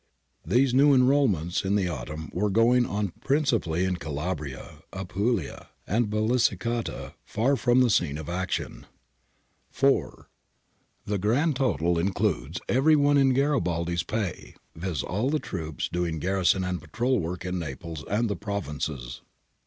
These new enrolments in the autumn were going on principally in Calabria, Apulia, and Basilicata, far from the scene of action {Risorg. ditto). 4. The grand total includes everyone in Garibaldi's pay, vis. all the troops doing garrison and patrol work in Naples and the provinces.